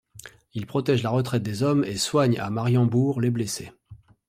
Il protège la retraite des hommes et soigne à Mariembourg les blessés.